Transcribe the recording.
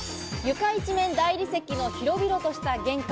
床一面、大理石の広々とした玄関。